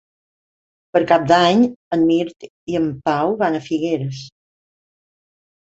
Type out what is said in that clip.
Per Cap d'Any en Mirt i en Pau van a Figueres.